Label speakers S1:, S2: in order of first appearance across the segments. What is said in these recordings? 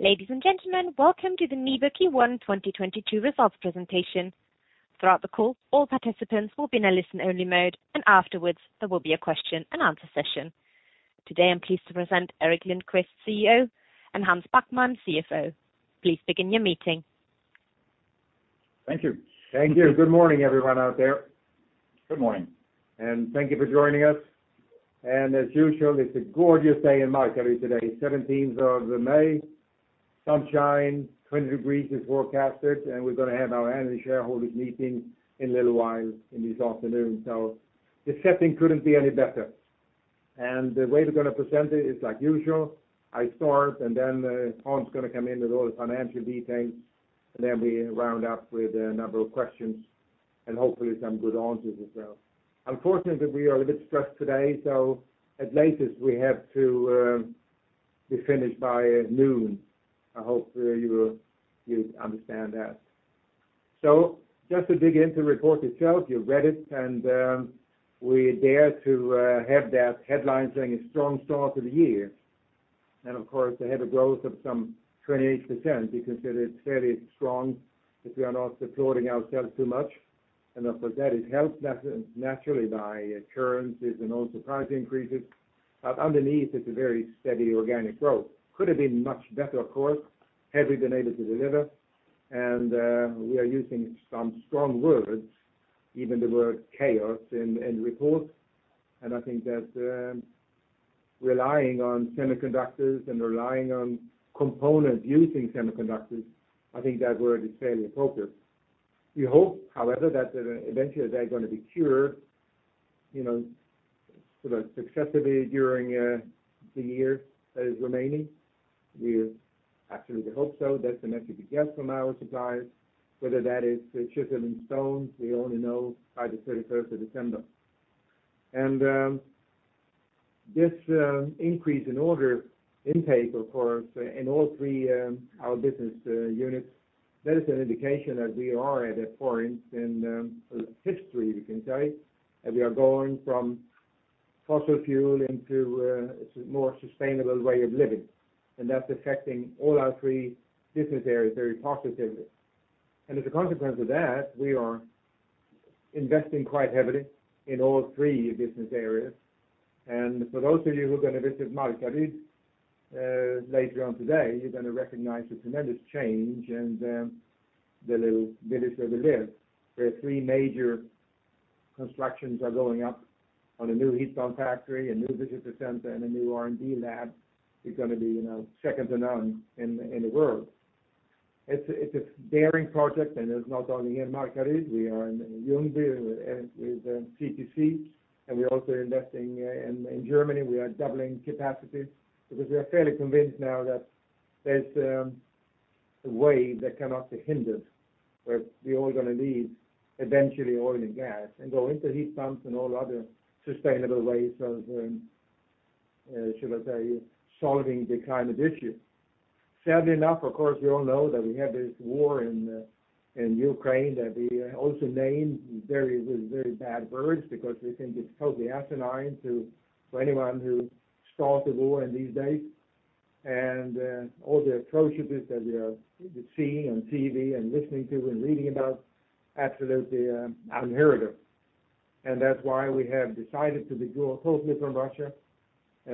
S1: Ladies and gentlemen, welcome to the NIBE Q1 2022 Results Presentation. Throughout the call, all participants will be in a listen-only mode, and afterwards there will be a question and answer session. Today, I'm pleased to present Gerteric Lindquist, CEO, and Hans Backman, CFO. Please begin your meeting.
S2: Thank you. Thank you. Good morning, everyone out there.
S3: Good morning.
S2: Thank you for joining us. As usual, it's a gorgeous day in Markaryd today, 17th of May. Sunshine, 20 degrees is forecasted, and we're gonna have our annual shareholders meeting in a little while this afternoon. The setting couldn't be any better. The way we're gonna present it is like usual. I start, and then Hans is gonna come in with all the financial details. Then we round up with a number of questions and hopefully some good answers as well. Unfortunately, we are a bit stressed today, so at latest we have to be finished by noon. I hope you understand that. Just to dig into report itself, you've read it, and we dare to have that headline saying a strong start to the year. Of course, to have a growth of some 28% be considered fairly strong, if we are not applauding ourselves too much. Of course, that is helped naturally by currencies and also price increases. Underneath, it's a very steady organic growth. Could have been much better, of course, had we been able to deliver. We are using some strong words, even the word chaos in report. I think that relying on semiconductors and relying on components using semiconductors, I think that word is fairly appropriate. We hope, however, that eventually they're gonna be cured, you know, sort of successively during the year that is remaining. We absolutely hope so. That's the message we get from our suppliers. Whether that is set in stone, we only know by the 31st of December. This increase in order intake, of course, in all three our business units, that is an indication that we are at a point in history, we can say, that we are going from fossil fuel into a more sustainable way of living, and that's affecting all our three business areas very positively. As a consequence of that, we are investing quite heavily in all three business areas. For those of you who are gonna visit Markaryd later on today, you're gonna recognize the tremendous change and the little village where we live. There are three major constructions are going up one a new heat pump factory, a new visitor center, and a new R&D lab. It's gonna be, you know, second to none in the world. It's a daring project, and it's not only in Markaryd. We are in Ljungby with CTC, and we're also investing in Germany. We are doubling capacity because we are fairly convinced now that there's a way that cannot be hindered, where we're all gonna need eventually oil and gas and go into heat pumps and all other sustainable ways of, should I say, solving the climate issue. Sadly enough, of course, we all know that we have this war in Ukraine that we also name very, very bad words because we think it's totally asinine for anyone who starts a war in these days. All the atrocities that we are seeing on TV and listening to and reading about absolutely are unheard of. That's why we have decided to withdraw totally from Russia.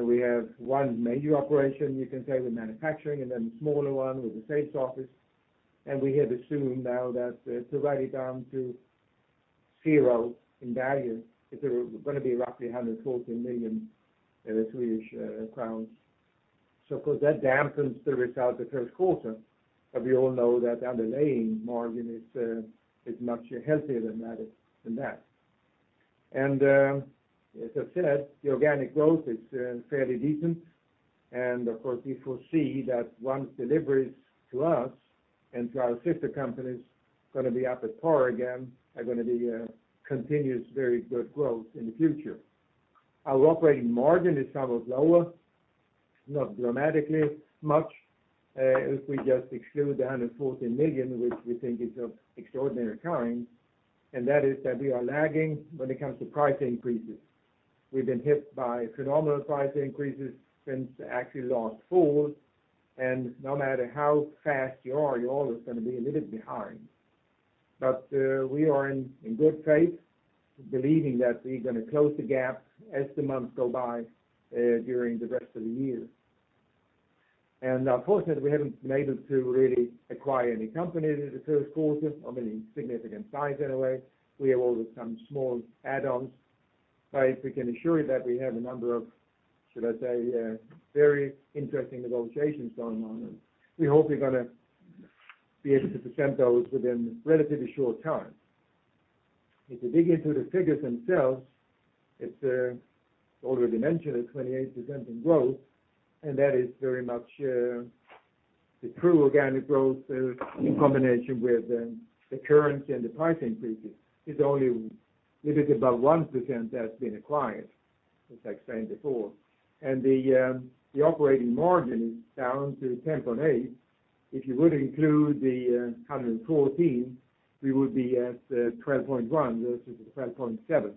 S2: We have one major operation, you can say, with manufacturing and then smaller one with the sales office. We have assumed now that to write it down to zero in value is gonna be roughly 114 million Swedish crowns. Of course, that dampens the result the first quarter. We all know that underlying margin is much healthier than that. As I said, the organic growth is fairly decent. Of course, you foresee that once deliveries to us and to our sister companies gonna be up to par again are gonna be a continuous very good growth in the future. Our operating margin is somewhat lower, not dramatically much, if we just exclude 114 million, which we think is of extraordinary kind, and that is that we are lagging when it comes to price increases. We've been hit by phenomenal price increases since actually last fall. No matter how fast you are, you're always gonna be a little behind. We are in good faith, believing that we're gonna close the gap as the months go by, during the rest of the year. Unfortunately, we haven't been able to really acquire any companies in the first quarter of any significant size anyway. We have always some small add-ons. We can assure you that we have a number of, should I say, very interesting negotiations going on. We hope we're gonna be able to present those within relatively short time. If we dig into the figures themselves, it's already mentioned a 28% in growth, and that is very much the true organic growth in combination with the currency and the price increases. It's only a little bit above 1% that's been acquired, as I explained before. The operating margin is down to 10.8%. If you would include the 114 million, we would be at 12.1% versus the 12.7%.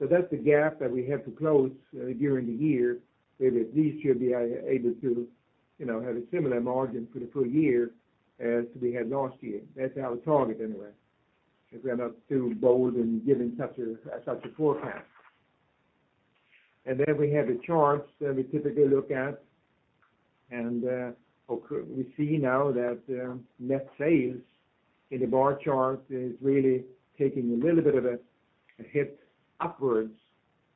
S2: That's the gap that we have to close during the year, where at least should be able to, you know, have a similar margin for the full year as we had last year. That's our target anyway, if we are not too bold in giving such a forecast. We have the charts that we typically look at, and of course, we see now that net sales in the bar chart is really taking a little bit of a hit upwards.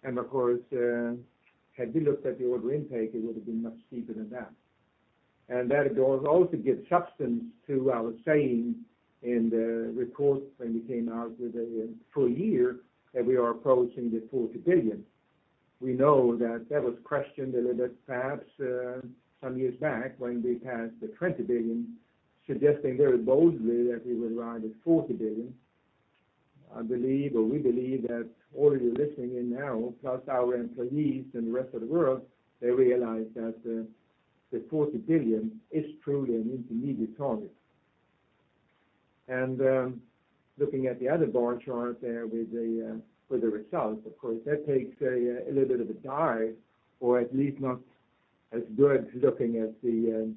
S2: Of course, had we looked at the order intake, it would have been much steeper than that. That also gives substance to our saying in the report when we came out with the full year, that we are approaching 40 billion. We know that that was questioned a little bit, perhaps, some years back when we passed 20 billion, suggesting very boldly that we will arrive at 40 billion. I believe, or we believe that all of you listening in now, plus our employees and the rest of the world, they realize that 40 billion is truly an intermediate target. Looking at the other bar chart there with the results, of course, that takes a little bit of a dive, or at least not as good looking as the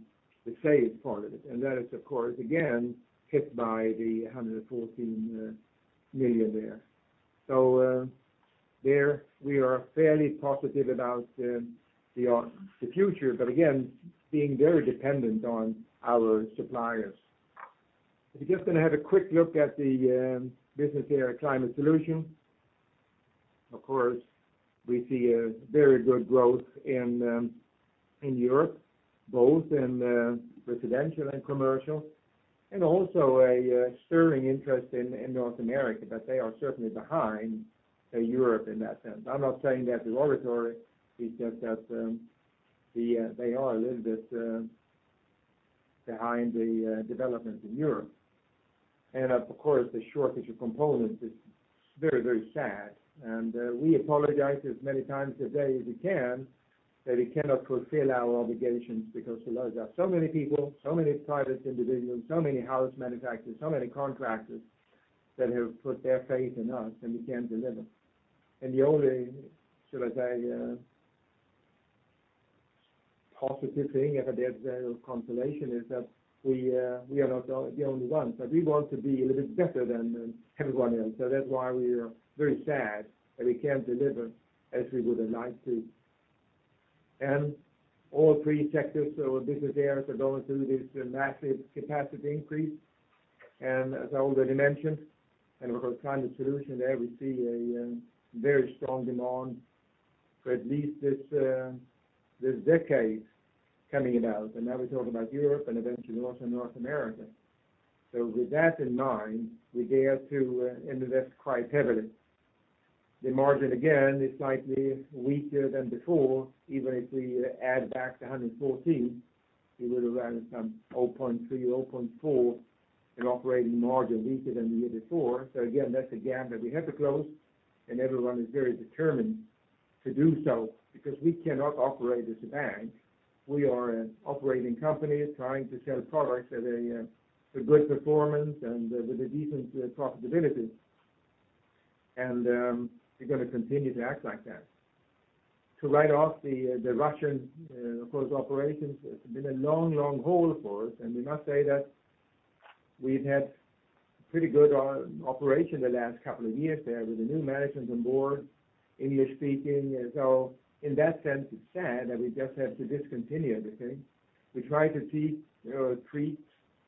S2: sales part of it. That is of course, again, hit by 114 million there. There we are fairly positive about the future, but again, being very dependent on our suppliers. If you're just gonna have a quick look at the business area Climate Solutions. Of course, we see a very good growth in Europe, both in residential and commercial, and also a stirring interest in North America, but they are certainly behind Europe in that sense. I'm not saying that pejoratively, it's just that they are a little bit behind the development in Europe. Of course, the shortage of components is very, very sad. We apologize as many times a day as we can that we cannot fulfill our obligations because there are so many people, so many private individuals, so many house manufacturers, so many contractors that have put their faith in us, and we can't deliver. The only, shall I say, positive thing, if there's a consolation, is that we are not the only ones, but we want to be a little bit better than everyone else. That's why we are very sad that we can't deliver as we would have liked to. All three sectors or business areas are going through this massive capacity increase. As I already mentioned, and of course, Climate Solutions there we see a very strong demand for at least this decade coming about. Now we're talking about Europe and eventually also North America. With that in mind, we dare to enter this quite heavily. The margin, again, is slightly weaker than before. Even if we add back the 114 million, we would have added some 0.3% or 0.4% in operating margin weaker than the year before. Again, that's a gap that we have to close, and everyone is very determined to do so, because we cannot operate as a bank. We are an operating company trying to sell products at a good performance and with a decent profitability. We're gonna continue to act like that. To write off the Russian, of course, operations, it's been a long, long haul for us. We must say that we've had pretty good operation the last couple of years there with the new management on board, English speaking. In that sense, it's sad that we just have to discontinue the thing. We try to treat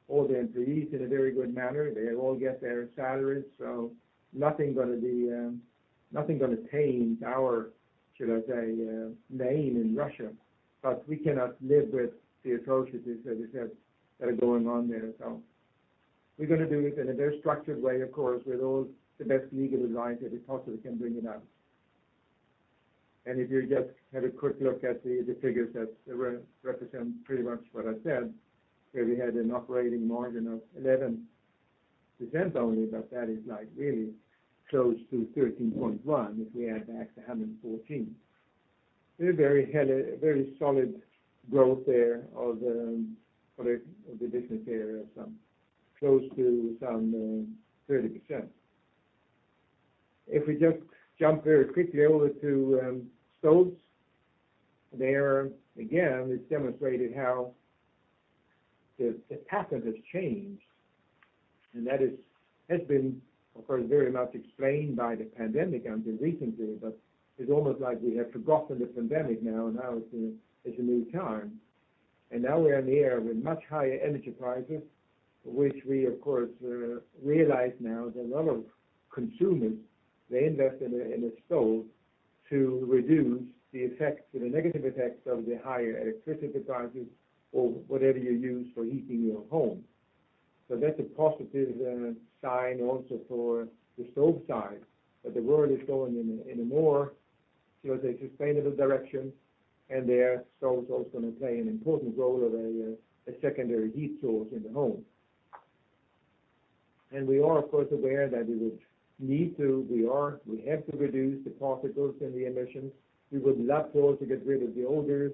S2: all the employees in a very good manner. They all get their salaries, so nothing gonna taint our, should I say, name in Russia. We cannot live with the atrocities that are going on there. We're gonna do it in a very structured way, of course, with all the best legal advice that we possibly can bring it up. If you just have a quick look at the figures that represent pretty much what I said, where we had an operating margin of 11% only, but that is like really close to 13.1%, if we add back the 114 million. We had a very solid growth there of product of the business area close to 30%. If we just jump very quickly over to stoves. There again, it's demonstrated how the pattern has changed. That has been, of course, very much explained by the pandemic until recently, but it's almost like we have forgotten the pandemic now. Now it's a new time. Now we are in the era with much higher energy prices, which we of course realize now that a lot of consumers they invest in a stove to reduce the effects or the negative effects of the higher electricity prices or whatever you use for heating your home. That's a positive sign also for the stove side, that the world is going in a more, shall I say, sustainable direction. Their stoves also gonna play an important role as a secondary heat source in the home. We are of course aware that we have to reduce the particles and the emissions. We would love to get rid of the odors.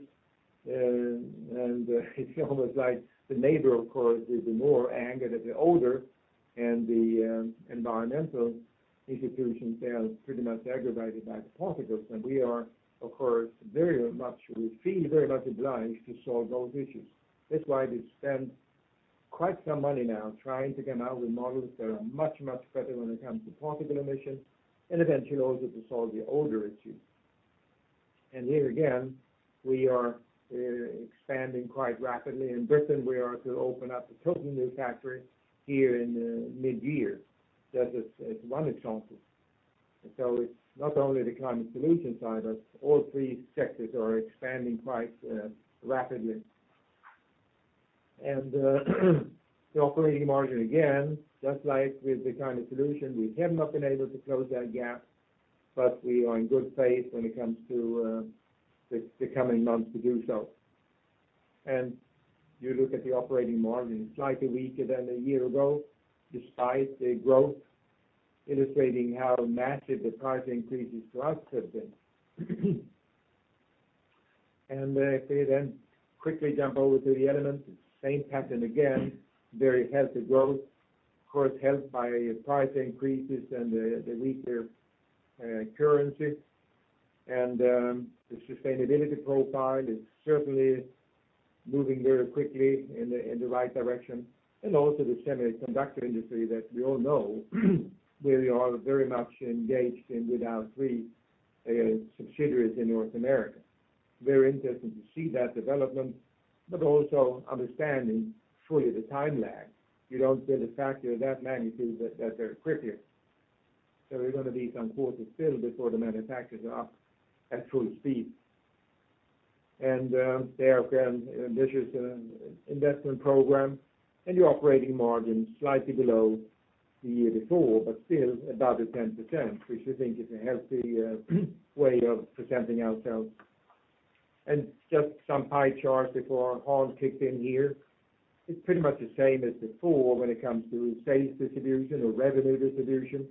S2: It's almost like the neighbor, of course, is the more angered at the odor, and the environmental institutions, they are pretty much aggravated by the particles. We feel very much obliged to solve those issues. That's why we spend quite some money now trying to come out with models that are much, much better when it comes to particle emission, and eventually also to solve the odor issue. Here again, we are expanding quite rapidly. In Britain, we are to open up a totally new factory here in midyear. That is one example. It's not only the Climate Solutions side, but all three sectors are expanding quite rapidly. The operating margin, again, just like with the Climate Solutions, we have not been able to close that gap, but we are in good pace when it comes to the coming months to do so. You look at the operating margin, slightly weaker than a year ago, despite the growth, illustrating how massive the price increases to us have been. If we then quickly jump over to the Elements, same pattern again, very healthy growth. Of course, helped by price increases and the weaker currency. The sustainability profile is certainly moving very quickly in the right direction. Also the semiconductor industry that we all know, where we are very much engaged in with our three subsidiaries in North America. Very interesting to see that development, but also understanding fully the time lag. You don't build a factory of that magnitude that quickly. There're gonna be some quarters still before the manufacturers are up at full speed. There again, this is an investment program. Your operating margin slightly below the year before, but still above the 10%, which we think is a healthy way of presenting ourselves. Just some pie charts before Hans kicks in here. It's pretty much the same as before when it comes to sales distribution or revenue distribution.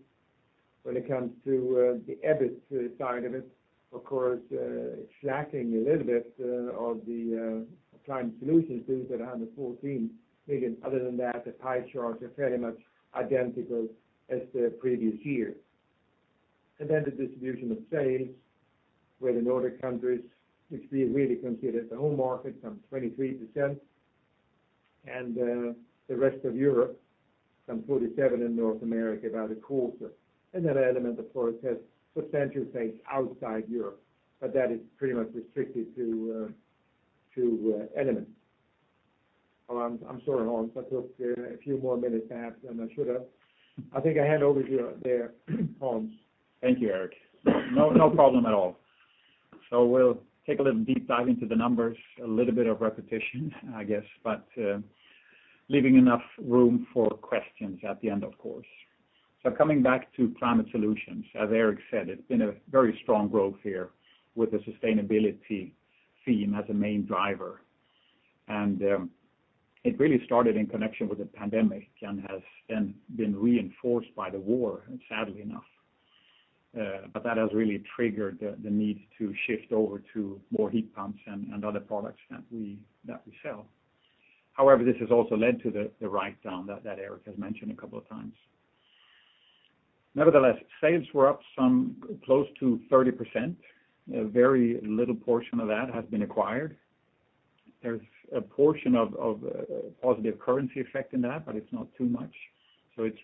S2: When it comes to the EBIT side of it, of course, it's lacking a little bit of the Climate Solutions business at 114 million. Other than that, the pie charts are fairly much identical as the previous year. The distribution of sales, where the Nordic countries, which we really consider the home market, some 23%, and the rest of Europe, some 47%, in North America, about 25%. Element, of course, has substantial sales outside Europe, but that is pretty much restricted to Element. Well, I'm sorry, Hans. I took a few more minutes than I should have. I think I hand over to you there, Hans.
S3: Thank you, Gerteric. No, no problem at all. We'll take a little deep dive into the numbers. A little bit of repetition, I guess, but leaving enough room for questions at the end, of course. Coming back to Climate Solutions, as Gerteric said, it's been a very strong growth here with the sustainability theme as a main driver. It really started in connection with the pandemic and has then been reinforced by the war, sadly enough. That has really triggered the need to shift over to more heat pumps and other products that we sell. However, this has also led to the write-down that Gerteric has mentioned a couple of times. Nevertheless, sales were up some close to 30%. A very little portion of that has been acquired. There's a portion of positive currency effect in that, but it's not too much. It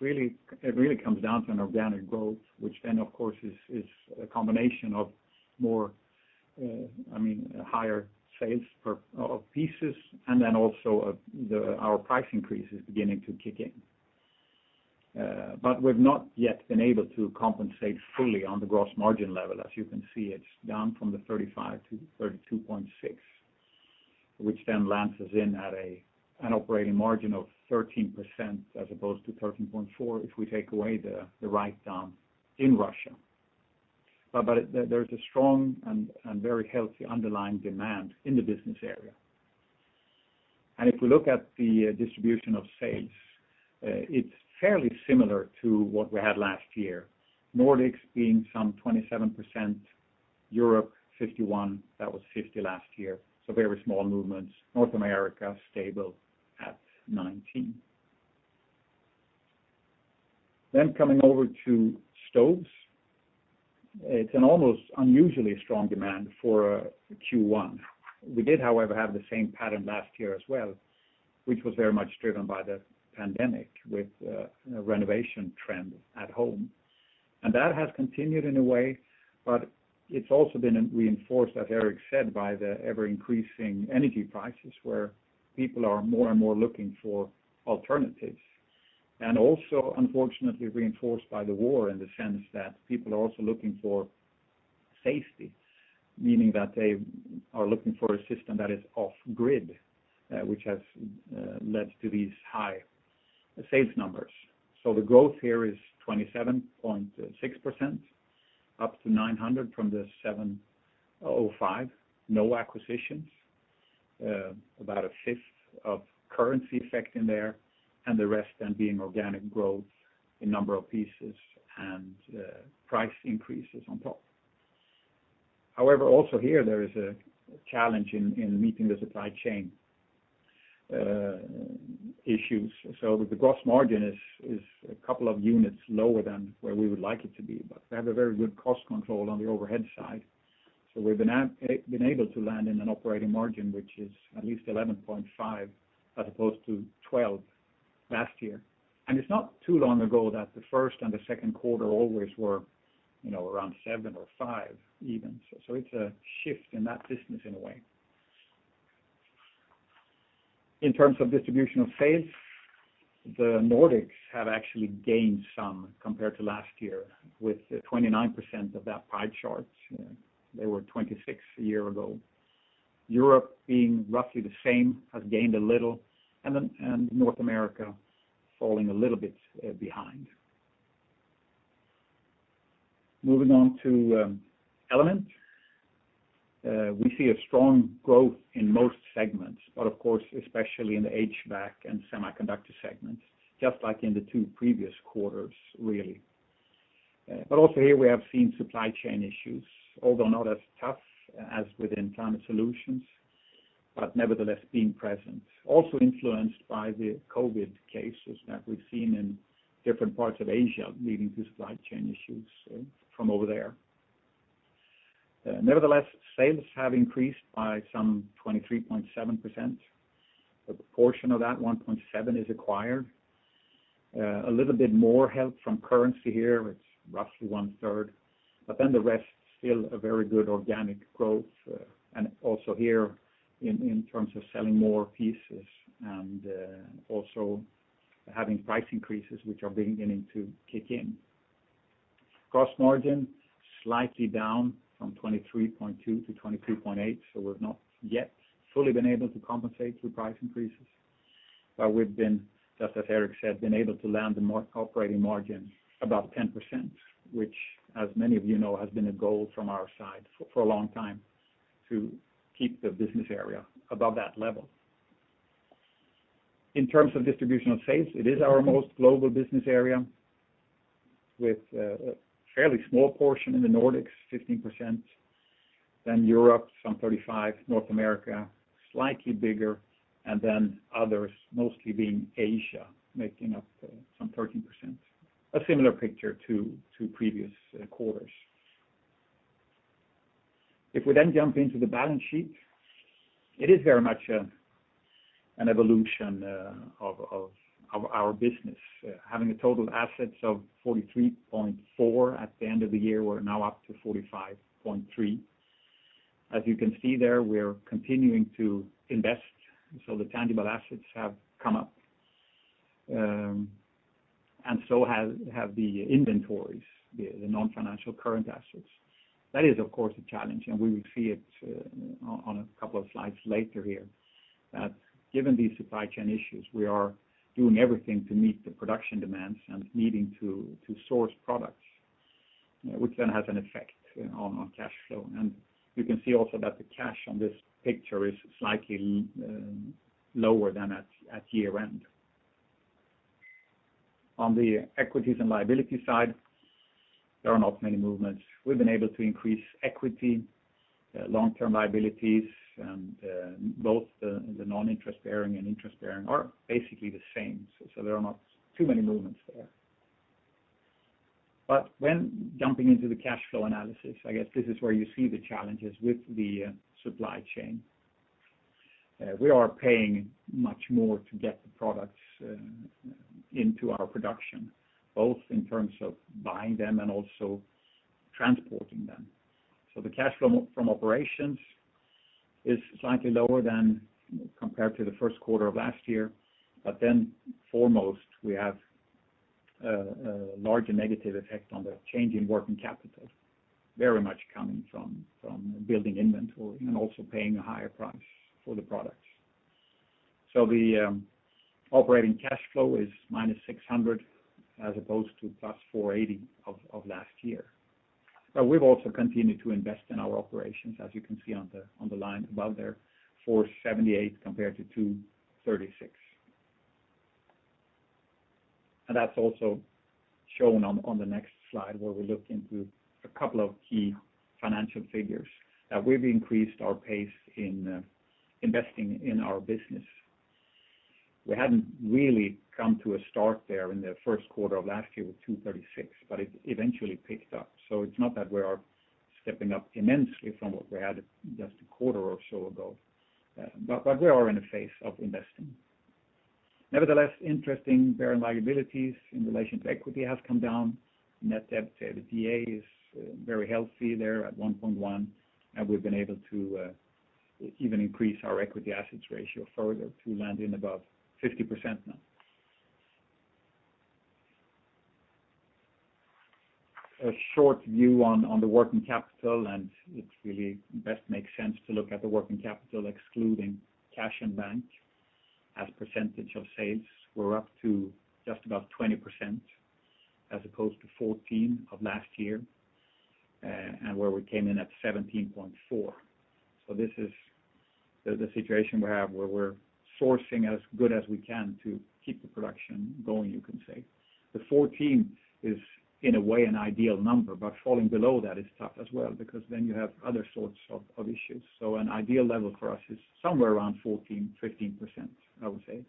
S3: really comes down to an organic growth, which then, of course, is a combination of more, I mean higher sales per piece, and then also of our price increases beginning to kick in. We've not yet been able to compensate fully on the gross margin level. As you can see, it's down from 35%-32.6%, which then lands us in at an operating margin of 13% as opposed to 13.4% if we take away the write-down in Russia. There's a strong and very healthy underlying demand in the business area. If we look at the distribution of sales, it's fairly similar to what we had last year. Nordics being some 27%, Europe 51%, that was 50% last year, so very small movements. North America, stable at 19%. Coming over to stoves. It's an almost unusually strong demand for Q1. We did, however, have the same pattern last year as well, which was very much driven by the pandemic with renovation trend at home. That has continued in a way, but it's also been reinforced, as Gerteric said, by the ever-increasing energy prices, where people are more and more looking for alternatives. Also, unfortunately, reinforced by the war in the sense that people are also looking for safety. Meaning that they are looking for a system that is off grid, which has led to these high sales numbers. The growth here is 27.6%, up to 900 million from 705 million. No acquisitions. About a fifth of currency effect in there, and the rest then being organic growth in number of pieces and price increases on top. However, also here, there is a challenge in meeting the supply chain issues. The gross margin is a couple of units lower than where we would like it to be, but we have a very good cost control on the overhead side. We've been able to land in an operating margin, which is at least 11.5%, as opposed to 12% last year. It's not too long ago that the first and the second quarter always were, you know, around 7% or 5% even. It's a shift in that business in a way. In terms of distribution of sales, the Nordics have actually gained some compared to last year with 29% of that pie chart. They were 26 a year ago. Europe, being roughly the same, has gained a little, and North America falling a little bit behind. Moving on to Element. We see a strong growth in most segments, but of course, especially in the HVAC and semiconductor segments, just like in the two previous quarters, really. But also here, we have seen supply chain issues, although not as tough as within Climate Solutions, but nevertheless, being present, also influenced by the COVID cases that we've seen in different parts of Asia leading to supply chain issues from over there. Nevertheless, sales have increased by some 23.7%. A portion of that 1.7 is acquired. A little bit more help from currency here, it's roughly onr-third, but then the rest still a very good organic growth, and also here in terms of selling more pieces and also having price increases, which are beginning to kick in. Gross margin slightly down from 23.2%-23.8%, so we've not yet fully been able to compensate through price increases. We've been, just as Gerteric said, able to land the operating margin about 10%, which as many of you know, has been a goal from our side for a long time to keep the business area above that level. In terms of distribution of sales, it is our most global business area with a fairly small portion in the Nordics, 15%, then Europe, some 35, North America, slightly bigger, and then others, mostly being Asia, making up some 13%. A similar picture to previous quarters. If we then jump into the balance sheet, it is very much an evolution of our business, having total assets of 43.4 million at the end of the year, we're now up to 45.3 million. As you can see there, we're continuing to invest, so the tangible assets have come up, and so have the inventories, the non-financial current assets. That is, of course, a challenge, and we will see it on a couple of slides later here. That given these supply chain issues, we are doing everything to meet the production demands and needing to source products, which then has an effect on cash flow. You can see also that the cash on this picture is slightly lower than at year-end. On the equities and liability side, there are not many movements. We've been able to increase equity, long-term liabilities, and both the non-interest-bearing and interest-bearing are basically the same. There are not too many movements there. When jumping into the cash flow analysis, I guess this is where you see the challenges with the supply chain. We are paying much more to get the products into our production, both in terms of buying them and also transporting them. Cash flow from operations is slightly lower than compared to the first quarter of last year. Foremost, we have a larger negative effect on the change in working capital, very much coming from building inventory and also paying a higher price for the products. The operating cash flow is -600 million as opposed to +480 millionof last year. We've also continued to invest in our operations, as you can see on the line above there, 478 million compared to 236 million. That's also shown on the next slide, where we look into a couple of key financial figures. We've increased our pace in investing in our business. We hadn't really come to a start there in the first quarter of last year with 236 million, but it eventually picked up. It's not that we are stepping up immensely from what we had just a quarter or so ago, but we are in a phase of investing. Nevertheless, interest-bearing liabilities in relation to equity has come down. Net debt to EBITDA is very healthy there at 1.1, and we've been able to even increase our equity/assets ratio further to land in above 50% now. A short view on the working capital, and it really does make sense to look at the working capital excluding cash in bank. As percentage of sales, we're up to just about 20% as opposed to 14% of last year. Where we came in at 17.4%. This is the situation we have where we're sourcing as good as we can to keep the production going, you can say. The 14 is in a way an ideal number, but falling below that is tough as well because then you have other sorts of issues. An ideal level for us is somewhere around 14%-15%, I would say.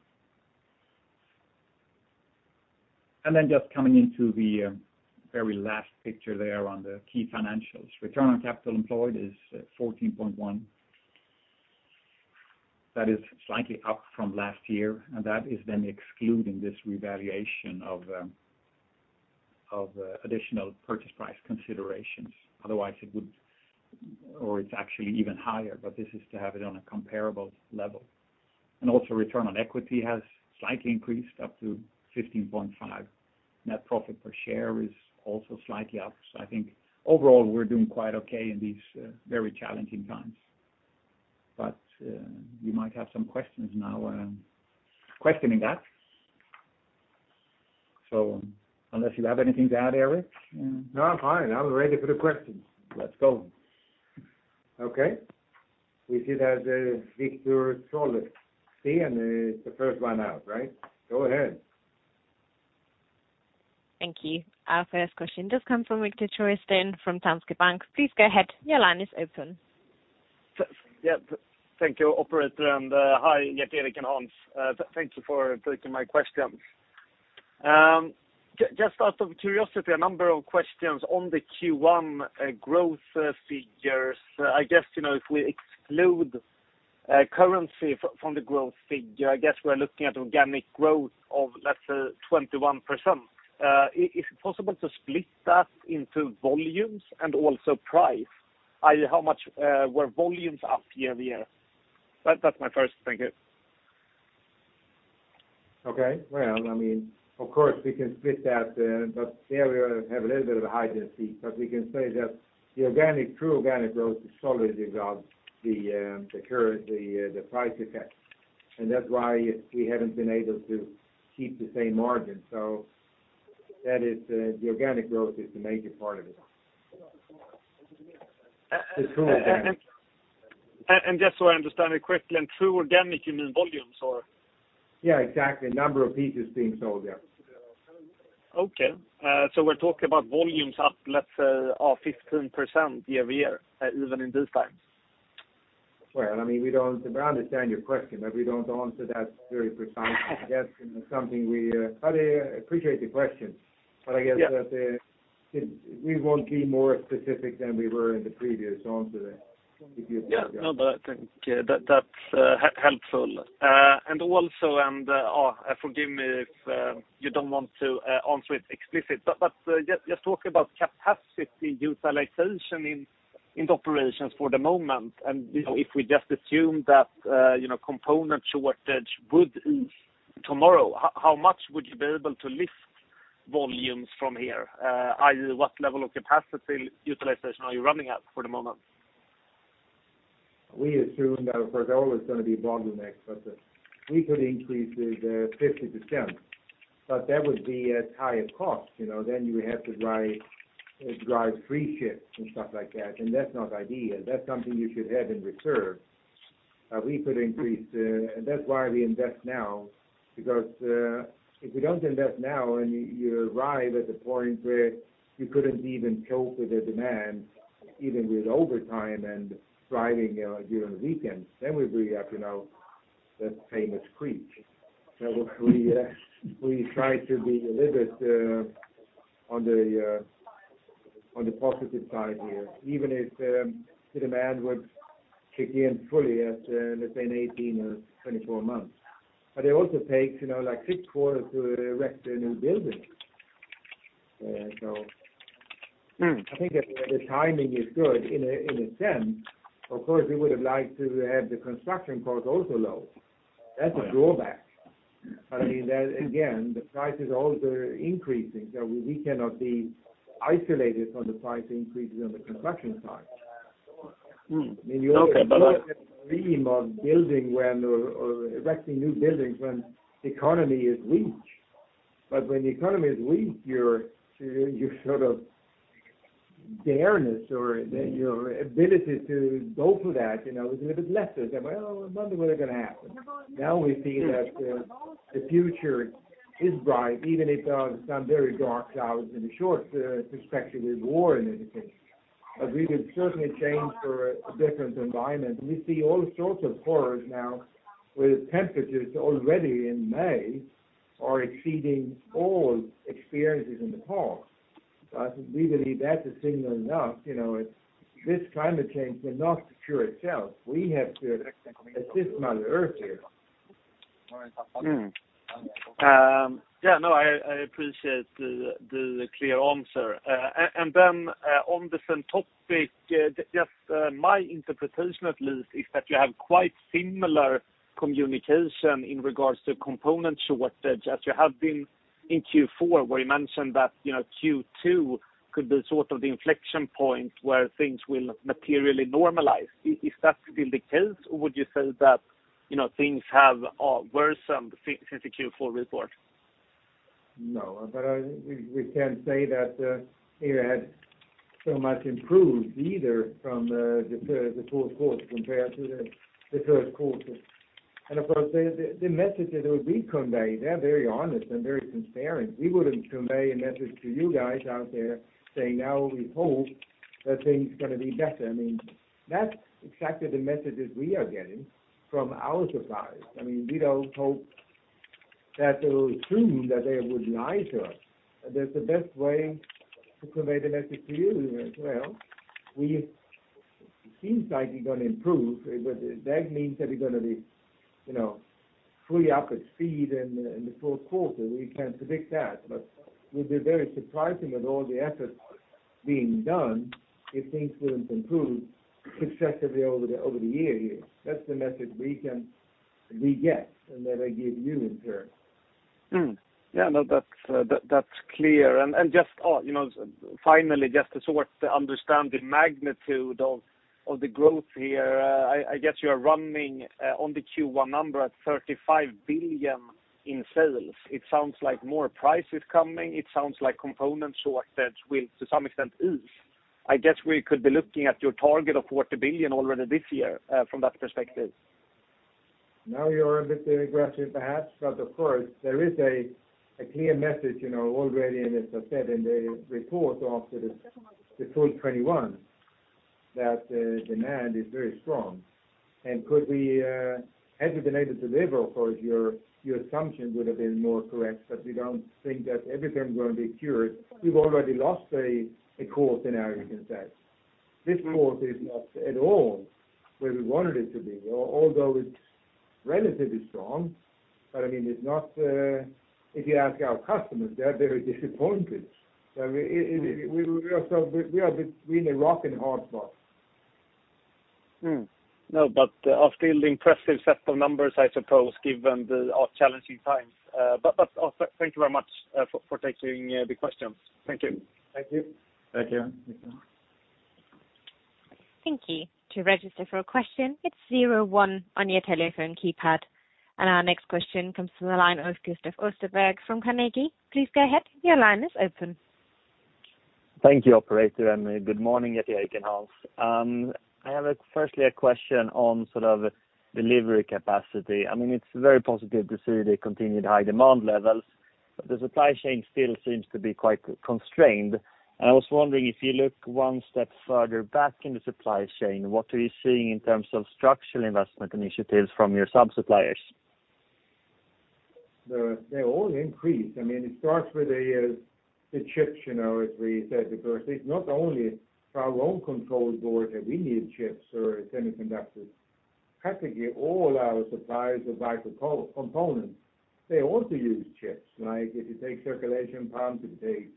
S3: Then just coming into the very last picture there on the key financials. Return on capital employed is 14.1%. That is slightly up from last year, and that is then excluding this revaluation of additional purchase price considerations. Otherwise, or it's actually even higher, but this is to have it on a comparable level. Also return on equity has slightly increased up to 15.5%. Net profit per share is also slightly up. I think overall, we're doing quite okay in these very challenging times. You might have some questions now, questioning that. Unless you have anything to add, Gerteric.
S2: No, I'm fine. I'm ready for the questions.
S3: Let's go.
S2: Okay. We see that Viktor Trollsten is the first one out, right? Go ahead.
S1: Thank you. Our first question does come from Viktor Trollsten then from Danske Bank. Please go ahead. Your line is open.
S4: Yeah. Thank you, operator. Hi, Gerteric and Hans. Thank you for taking my questions. Just out of curiosity, a number of questions on the Q1 growth figures. I guess, you know, if we exclude currency from the growth figure, I guess we're looking at organic growth of, let's say, 21%. Is it possible to split that into volumes and also price? I.e., how much were volumes up year-over-year? That's my first. Thank you.
S2: Okay. Well, I mean, of course, we can split that, but there we have a little bit of a higher density. We can say that the organic, true organic growth is solid regardless of the price effect. That's why we haven't been able to keep the same margin. That is the organic growth is the major part of it.
S4: And, and-
S2: It's true, yeah.
S4: Just so I understand it quickly, and true organic, you mean volumes or?
S2: Yeah, exactly. Number of pieces being sold, yeah.
S4: Okay. We're talking about volumes up, let's say, 15% year-over-year, even in these times?
S2: Well, I mean, I understand your question, but we don't answer that very precisely. I guess, you know, something we. I appreciate the question.
S4: Yeah.
S2: I guess that we won't be more specific than we were in the previous answer there.
S4: Yeah. No, but I think that's helpful. Also, forgive me if you don't want to answer it explicitly, but just talk about capacity utilization in operations for the moment. You know, if we just assume that component shortage would ease tomorrow, how much would you be able to lift volumes from here? I.e., what level of capacity utilization are you running at for the moment?
S2: We assume that of course always gonna be a bottleneck, but we could increase it 50%. That would be at higher cost, you know. You would have to drive three shifts and stuff like that, and that's not ideal. That's something you should have in reserve. That's why we invest now because if you don't invest now and you arrive at the point where you couldn't even cope with the demand, even with overtime and driving during weekends, then we really have to now that famous screech. We try to be deliberate on the positive side here, even if the demand would kick in fully at, let's say in 18 or 24 months. It also takes, you know, like six quarters to erect a new building.
S4: Mm.
S2: I think that the timing is good in a sense. Of course, we would have liked to have the construction cost also low. That's a drawback. I mean, that again, the prices also are increasing, so we cannot be isolated from the price increases on the construction side.
S4: Okay, but I.
S2: I mean, you always dream of building or erecting new buildings when the economy is weak. When the economy is weak, your sort of daringness or your ability to go for that, you know, is a little bit lesser. It's like, "Well, I wonder what is gonna happen." Now we see that the future is bright, even if some very dark clouds in the short perspective with war and everything. We could certainly change for a different environment. We see all sorts of horrors now with temperatures already in May are exceeding all experiences in the past. We believe that's a signal enough, you know. It's this climate change cannot cure itself. We have to assist Mother Earth here.
S4: Yeah, no, I appreciate the clear answer. On the same topic, just my interpretation at least is that you have quite similar communication in regards to component shortage as you have been in Q4 where you mentioned that, you know, Q2 could be sort of the inflection point where things will materially normalize. Is that still the case, or would you say that, you know, things have worsened since the Q4 report?
S2: No, but we can't say that it has so much improved either from the fourth quarter compared to the third quarter. Of course, the message that would be conveyed, they're very honest and very transparent. We wouldn't convey a message to you guys out there saying, now we hope that things are gonna be better. I mean, that's exactly the messages we are getting from our suppliers. I mean, we don't hope that they will assume that they would lie to us. That the best way to convey the message to you is, well, we seem like we're gonna improve, but that means that we're gonna be, you know, fully up at speed in the fourth quarter. We can't predict that. We'd be very surprised with all the efforts being done if things wouldn't improve successively over the year here. That's the message we get, and that I give you in turn.
S4: Yeah, no, that's clear. Just, you know, finally, just to sort of understand the magnitude of the growth here, I guess you're running on the Q1 number at 35 billion in sales. It sounds like more price is coming. It sounds like component shortage will, to some extent, ease. I guess we could be looking at your target of 40 billion already this year from that perspective.
S2: Now, you're a bit aggressive perhaps, but of course there is a clear message, you know, already, and as I said in the report after the Q2 2021, demand is very strong. Could we had we been able to deliver, of course, your assumption would've been more correct, but we don't think that everything's gonna be cured. We've already lost a quarter now, you can say. This quarter is not at all where we wanted it to be, although it's relatively strong. I mean, it's not if you ask our customers, they're very disappointed. I mean, we are between a rock and a hard place.
S4: No, still impressive set of numbers, I suppose, given our challenging times. Thank you very much for taking the questions. Thank you.
S2: Thank you. Thank you.
S1: Thank you. To register for a question, it's zero one on your telephone keypad. Our next question comes from the line of Gustav Österberg from Carnegie. Please go ahead. Your line is open.
S5: Thank you, operator, and good morning to you, Eike Hansen. I have, firstly, a question on sort of delivery capacity. I mean, it's very positive to see the continued high demand levels, but the supply chain still seems to be quite constrained. I was wondering if you look one step further back in the supply chain, what are you seeing in terms of structural investment initiatives from your sub-suppliers?
S2: They all increase. I mean, it starts with the chips, you know, as we said, because it's not only for our own control boards that we need chips or semiconductors. Practically all our suppliers of micro-components, they also use chips, like if you take circulation pumps, if you take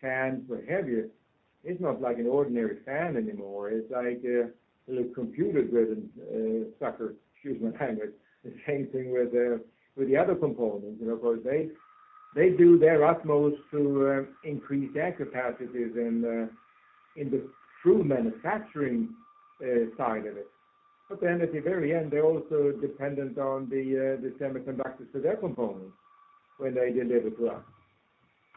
S2: fans, but heavier, it's not like an ordinary fan anymore. It's like little computer-driven sucker. Excuse my language. The same thing with the other components. You know, of course, they do their utmost to increase their capacities in the true manufacturing side of it. Then at the very end, they're also dependent on the semiconductors for their components when they deliver to us.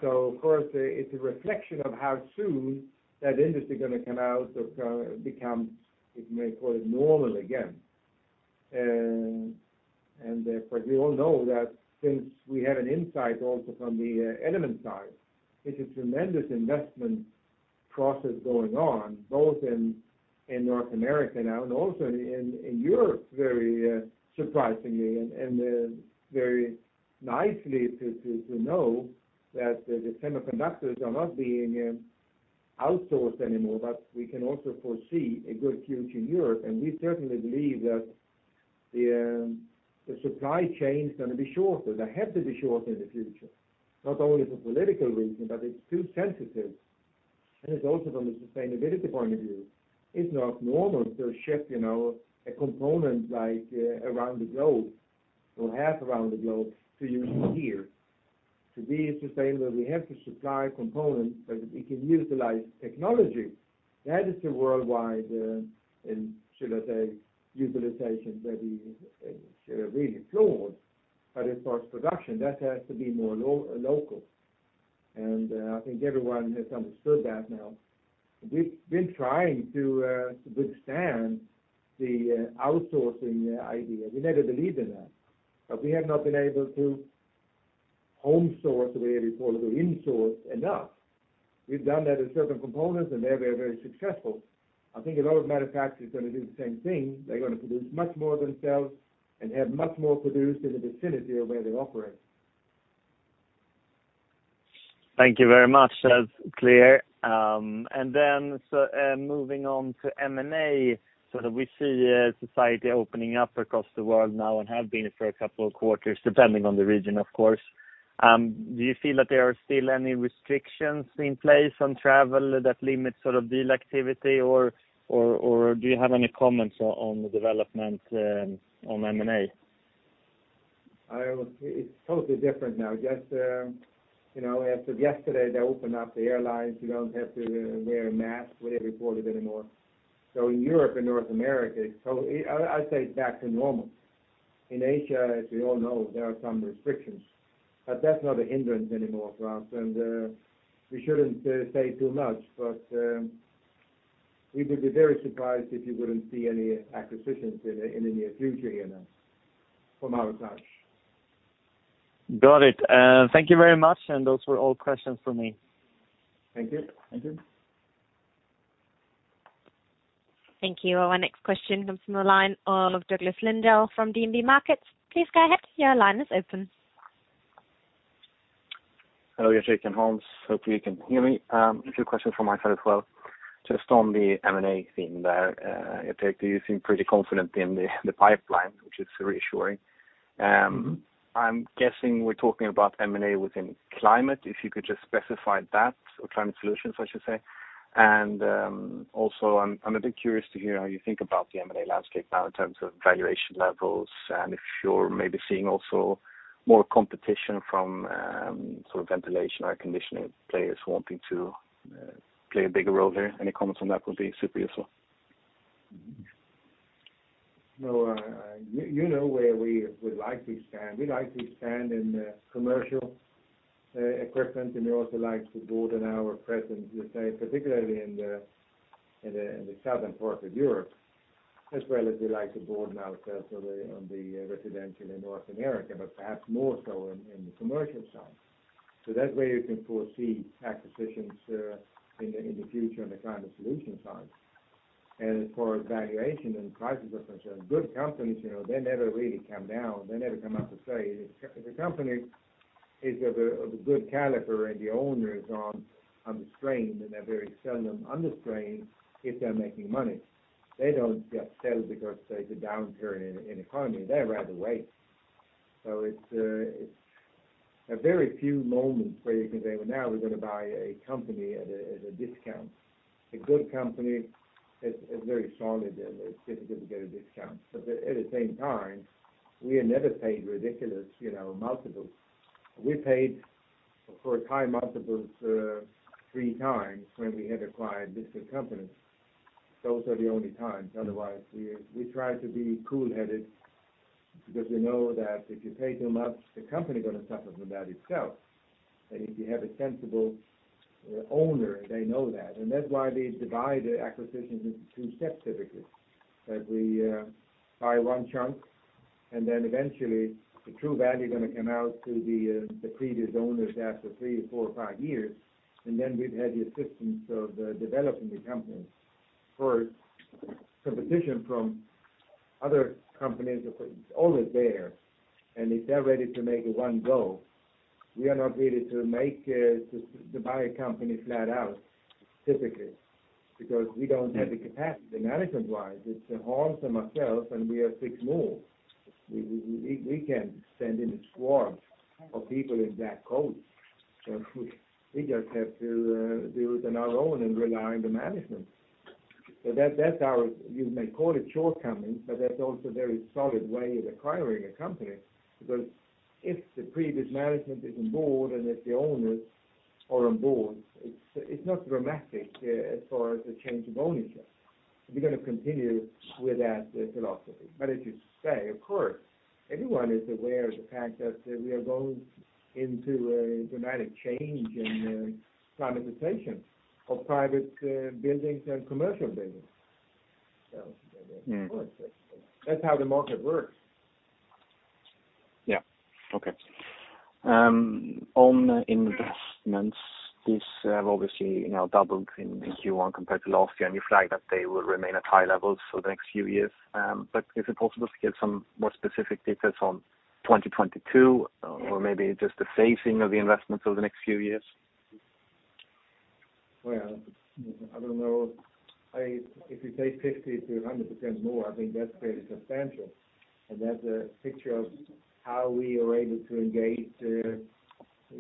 S2: Of course, it's a reflection of how soon that industry gonna come out of become, if you may call it normal again. We all know that since we have an insight also from the NIBE Element side, it's a tremendous investment process going on, both in North America now and also in Europe, very surprisingly, and very nicely to know that the semiconductors are not being outsourced anymore, but we can also foresee a good future in Europe. We certainly believe that the supply chain's gonna be shorter. They have to be shorter in the future. Not only for political reason, but it's too sensitive. It's also from the sustainability point of view. It's not normal to ship, you know, a component like around the globe or half around the globe to use it here. To be sustainable, we have to supply components so that we can utilize technology that is a worldwide, should I say, utilization that is really flawed by this first production. That has to be more local. I think everyone has understood that now. We've been trying to withstand the outsourcing idea. We never believed in that, but we have not been able to home source the way we call it, or in-source enough. We've done that with certain components, and they're very, very successful. I think a lot of manufacturers are gonna do the same thing. They're gonna produce much more themselves and have much more produced in the vicinity of where they operate.
S5: Thank you very much. That's clear. Moving on to M&A, so that we see society opening up across the world now and have been for a couple of quarters, depending on the region, of course. Do you feel that there are still any restrictions in place on travel that limits sort of deal activity or do you have any comments on the development on M&A?
S2: I would say it's totally different now. Just, you know, as of yesterday, they opened up the airlines. You don't have to wear a mask when you report it anymore. In Europe and North America, it's totally. I'd say it's back to normal. In Asia, as we all know, there are some restrictions, but that's not a hindrance anymore for us. We shouldn't say too much, but we would be very surprised if you wouldn't see any acquisitions in the near future here now from our side.
S5: Got it. Thank you very much, and those were all questions from me.
S2: Thank you. Thank you.
S1: Thank you. Our next question comes from the line of Douglas Lindahl from DNB Markets. Please go ahead. Your line is open.
S6: Hello, Gerteric and Hans. Hopefully you can hear me. A few questions from my side as well. Just on the M&A theme there, Gerteric, you seem pretty confident in the pipeline, which is reassuring.
S2: Mm-hmm.
S6: I'm guessing we're talking about M&A within climate. If you could just specify that. Climate solutions, I should say. Also, I'm a bit curious to hear how you think about the M&A landscape now in terms of valuation levels and if you're maybe seeing also more competition from, sort of ventilation, air conditioning players wanting to play a bigger role there. Any comments on that would be super useful.
S2: No, you know where we would like to expand. We'd like to expand in commercial equipment, and we also like to broaden our presence, let's say, particularly in the southern part of Europe, as well as we like to broaden ourselves on the residential in North America, but perhaps more so in the commercial side. So that way you can foresee acquisitions in the future on the climate solution side. As far as valuation and prices are concerned, good companies, you know, they never really come down. They never come up for sale. If the company is of a good caliber and the owners aren't under strain, then they're very seldom under strain if they're making money. They don't just sell because there's a downturn in economy. They'd rather wait. It's a very few moments where you can say, "Well, now we're gonna buy a company at a discount." A good company is very solid and it's difficult to get a discount. At the same time, we have never paid ridiculous, you know, multiples. We paid, of course, high multiples three times when we had acquired listed companies. Those are the only times. Otherwise, we try to be cool-headed because we know that if you pay too much, the company's gonna suffer from that itself. If you have a sensible owner, they know that. That's why we divide acquisitions into two steps typically. That we buy one chunk, and then eventually the true value gonna come out to the previous owners after three or four or five years, and then we've had the assistance of developing the company. Of course, competition from other companies are always there, and if they're ready to make it one go, we are not ready to make to buy a company flat out, typically. Because we don't have the capacity management-wise. It's Hans and myself, and we are six more. We can't send in a squad of people in that code. We just have to do it on our own and rely on the management. That's our... You may call it shortcoming, but that's also a very solid way of acquiring a company because if the previous management is on board and if the owners are on board, it's not dramatic as far as the change of ownership. We're gonna continue with that philosophy. But as you say, of course, everyone is aware of the fact that we are going into a dramatic change in climatization of private buildings and commercial buildings.
S6: Mm.
S2: Of course. That's how the market works.
S6: Yeah. Okay. On investments, this have obviously now doubled in Q1 compared to last year, and you flag that they will remain at high levels for the next few years. Is it possible to get some more specific details on 2022 or maybe just the phasing of the investments over the next few years?
S2: Well, I don't know. If you pay 50%-100% more, I think that's pretty substantial, and that's a picture of how we are able to engage, you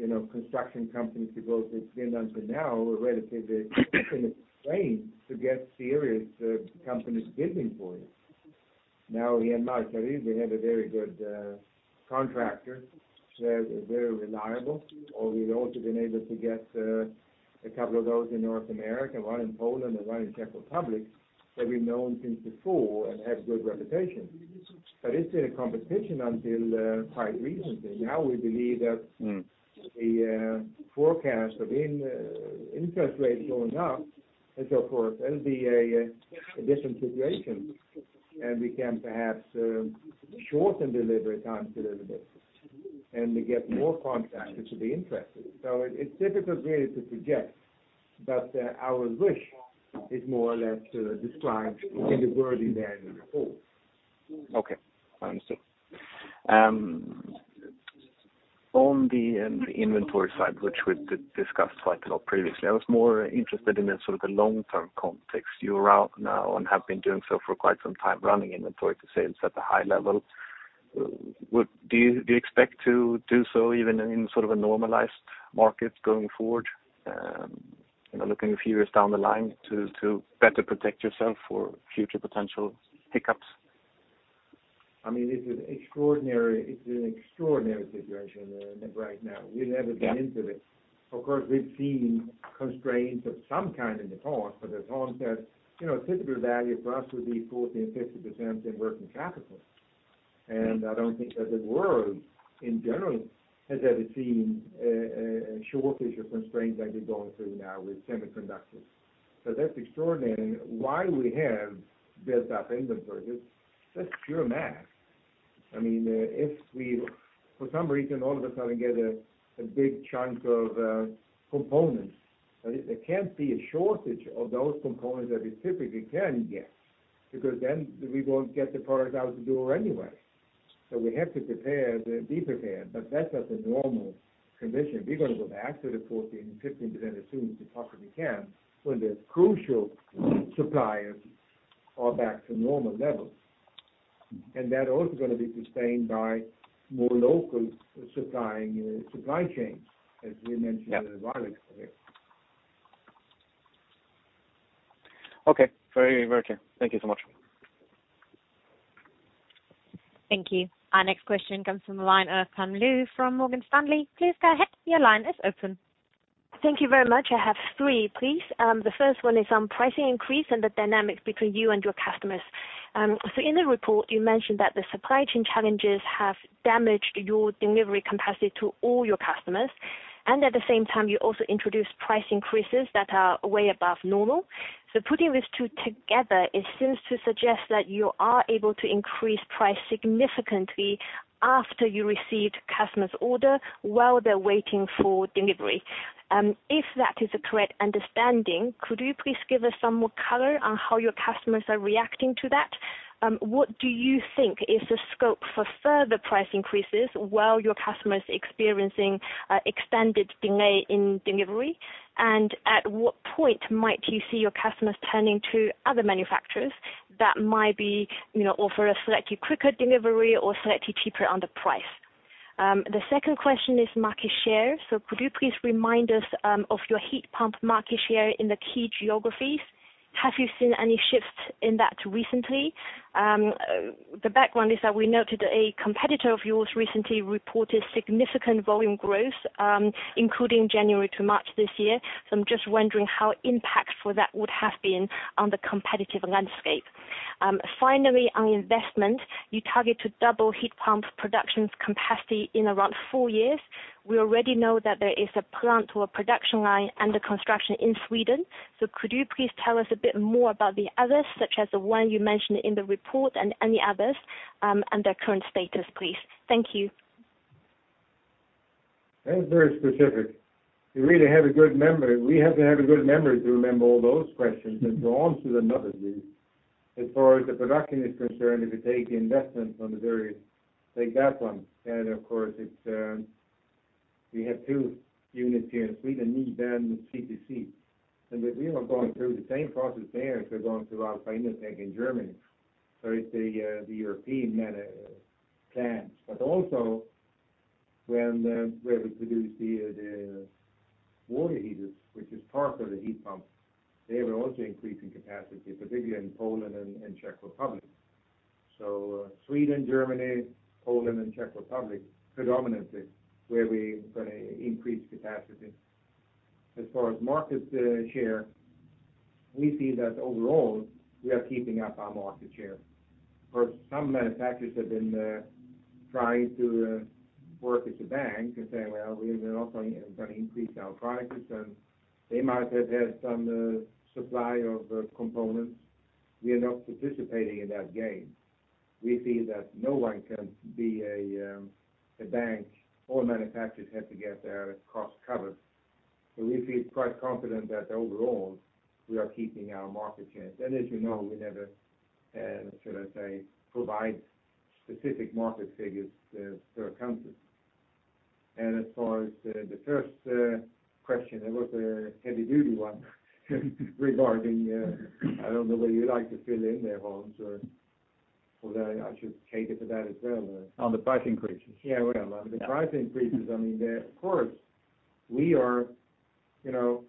S2: know, construction companies to go to Finland. Until now we're relatively constrained to get serious companies bidding for you. Now, here in Markaryd we have a very good contractor. They're reliable. We've also been able to get a couple of those in North America, one in Poland and one in Czech Republic, that we've known since before and have good reputation. It's been a competition until quite recently. Now we believe that.
S6: Mm.
S2: The forecast of interest rates going up and so forth, that'll be a different situation, and we can perhaps shorten delivery times a little bit and we get more contacts which will be interested. It's difficult really to suggest, but our wish is more or less described in the wording there in the report.
S6: Okay. I understand. On the inventory side, which we discussed quite a lot previously, I was more interested in the sort of the long-term context. You are now, and have been doing so for quite some time, running inventory to sales at a high level. Do you expect to do so even in sort of a normalized market going forward? You know, looking a few years down the line to better protect yourself for future potential hiccups?
S2: I mean, this is extraordinary. It's an extraordinary situation right now. We've never been into this. Of course, we've seen constraints of some kind in the past, but as Hans said, you know, typical value for us would be 14.5% in working capital. I don't think that the world, in general, has ever seen a shortage or constraint like we're going through now with semiconductors. That's extraordinary. Why we have built up inventories, that's pure math. I mean, if we, for some reason, all of a sudden get a big chunk of components, there can't be a shortage of those components that we typically can get because then we won't get the product out of the door anyway. We have to prepare, be prepared, but that's not the normal condition. We're gonna go back to the 14%-15% as soon as we possibly can when the crucial suppliers are back to normal levels. That also gonna be sustained by more local supply chains, as we mentioned earlier.
S6: Okay. Very well. Thank you so much.
S1: Thank you. Our next question comes from the line of Pam Liu from Morgan Stanley. Please go ahead. Your line is open.
S7: Thank you very much. I have three, please. The first one is on pricing increase and the dynamics between you and your customers. In the report, you mentioned that the supply chain challenges have damaged your delivery capacity to all your customers, and at the same time, you also introduced price increases that are way above normal. Putting these two together, it seems to suggest that you are able to increase price significantly after you received customer's order while they're waiting for delivery. If that is a correct understanding, could you please give us some more color on how your customers are reacting to that? What do you think is the scope for further price increases while your customer is experiencing extended delay in delivery? At what point might you see your customers turning to other manufacturers that might be, you know, offer a slightly quicker delivery or slightly cheaper on the price? The second question is market share. Could you please remind us of your heat pump market share in the key geographies? Have you seen any shifts in that recently? The background is that we noted a competitor of yours recently reported significant volume growth, including January to March this year, so I'm just wondering how impactful that would have been on the competitive landscape. Finally, on investment, you target to double heat pump production capacity in around four years. We already know that there is a plant or production line under construction in Sweden. Could you please tell us a bit more about the others, such as the one you mentioned in the report and any others, and their current status, please? Thank you.
S2: That's very specific. You really have a good memory. We have to have a good memory to remember all those questions and go on to the next. As far as the production is concerned, if you take investment from the various. Take that one. Of course, it's we have two units here in Sweden, NIBE and CTC. We are going through the same process there as we're going through Alpha Innotec in Germany. It's the European manufacturing plants. But also, where we produce the water heaters, which is part of the heat pump, they will also increase in capacity, particularly in Poland and Czech Republic. Sweden, Germany, Poland and Czech Republic predominantly where we gonna increase capacity. As far as market share, we see that overall, we are keeping up our market share. Of course, some manufacturers have been trying to work as a bank and say, "Well, we're also gonna increase our prices," and they might have had some supply of components. We are not participating in that game. We feel that no one can be a bank. All manufacturers have to get their costs covered. We feel quite confident that overall, we are keeping our market share. As you know, we never should I say provide specific market figures per country. As far as the first question, it was a heavy-duty one regarding, I don't know whether you'd like to fill in there, Hans, or that I should cater to that as well.
S6: On the price increases?
S2: Yeah, whatever.
S6: Yeah.
S2: The price increases, I mean. Of course, we are, you know.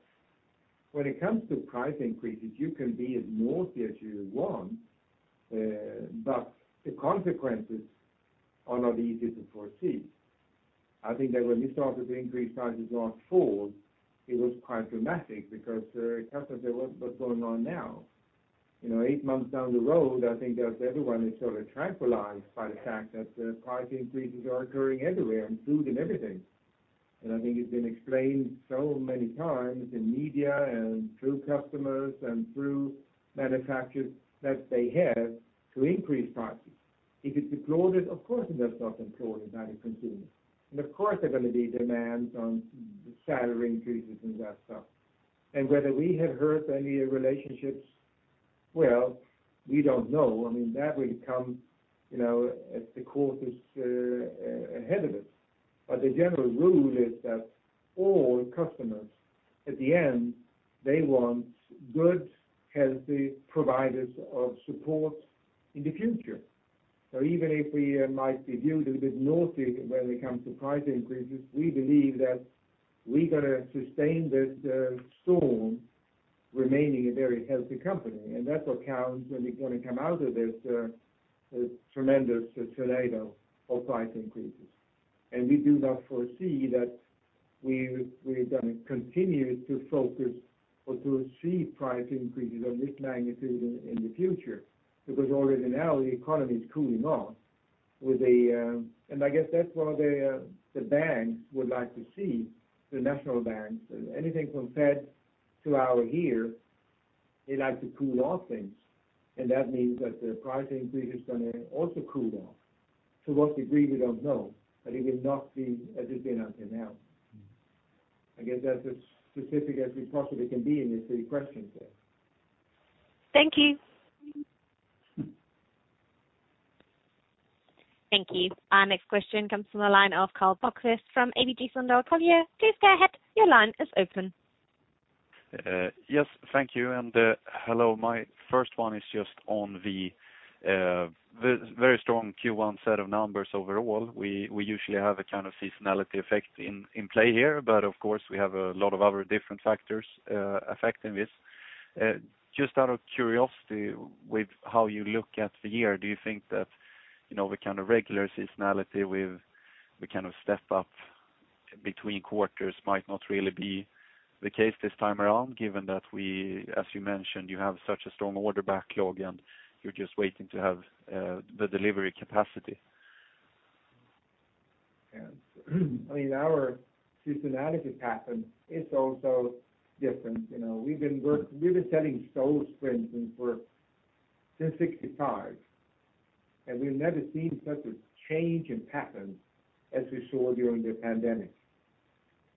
S2: When it comes to price increases, you can be as naughty as you want, but the consequences are not easy to foresee. I think that when we started to increase prices last fall, it was quite dramatic because customers said, "What's going on now?" You know, eight months down the road, I think that everyone is sort of tranquilized by the fact that price increases are occurring everywhere, in food, in everything. I think it's been explained so many times in media and through customers and through manufacturers that they have to increase prices. If it's applauded, of course, it is not applauded by the consumers. Of course, there are gonna be demands on salary increases and that stuff. Whether we have hurt any relationships, well, we don't know. I mean, that will come, you know, as the costs are ahead of us. The general rule is that all customers, at the end, they want good, healthy providers of support in the future. Even if we might be viewed a little bit naughty when it comes to price increases, we believe that we're gonna sustain this storm, remaining a very healthy company, and that's what counts when we're gonna come out of this tremendous tornado of price increases. We do not foresee that we're gonna continue to focus or to see price increases of this magnitude in the future. Because already now the economy is cooling off. I guess that's what the banks would like to see, the national banks. Anything from Fed to the ECB here, they like to cool off things. That means that the price increase is gonna also cool down. To what degree, we don't know, but it will not be as it's been until now. I guess that's as specific as we possibly can be in this question here.
S7: Thank you.
S1: Thank you. Our next question comes from the line of Karl Bokvist from ABG Sundal Collier. Please go ahead. Your line is open.
S8: Yes, thank you. Hello. My first one is just on the very strong Q1 set of numbers overall. We usually have a kind of seasonality effect in play here, but of course we have a lot of other different factors affecting this. Just out of curiosity, with how you look at the year, do you think that, you know, the kind of regular seasonality with the kind of step up between quarters might not really be the case this time around, given that we, as you mentioned, you have such a strong order backlog, and you're just waiting to have the delivery capacity?
S2: Yes. I mean, our seasonality pattern is also different. You know, we've been selling stoves, for instance, since 1965, and we've never seen such a change in patterns as we saw during the pandemic.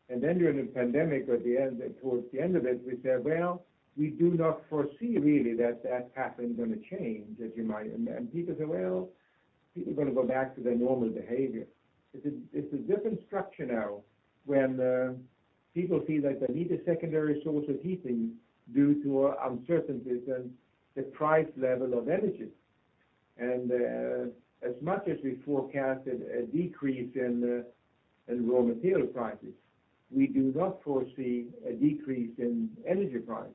S2: Then during the pandemic, at the end, towards the end of it, we said, "Well, we do not foresee really that pattern is gonna change," as you might. People said, "Well, people are gonna go back to their normal behavior." It's a different structure now, when people feel like they need a secondary source of heating due to uncertainties and the price level of energy. As much as we forecasted a decrease in raw material prices, we do not foresee a decrease in energy prices,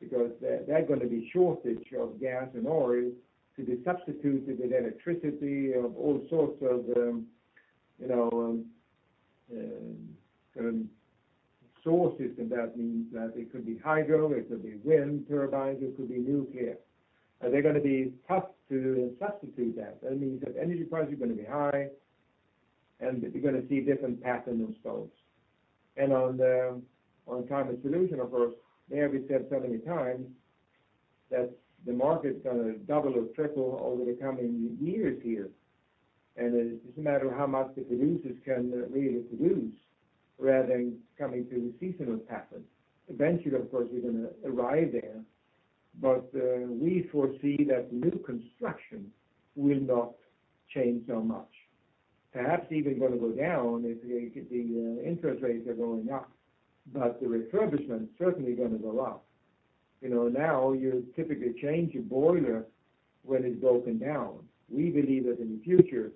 S2: because there's gonna be a shortage of gas and oil to be substituted with electricity of all sorts of, you know, kind of sources. That means that it could be hydro, it could be wind turbines, it could be nuclear. It's gonna be tough to substitute that. That means that energy prices are gonna be high, and you're gonna see different patterns in stoves. On the climate solutions, of course, Mary said so many times that the market's gonna double or triple over the coming years here. It doesn't matter how much the producers can really produce, rather than coming to the seasonal pattern. Eventually, of course, we're gonna arrive there, but we foresee that new construction will not change so much. Perhaps even gonna go down if the interest rates are going up, but the refurbishment certainly gonna go up. You know, now you typically change your boiler when it's broken down. We believe that in the future,